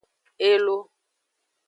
Elo.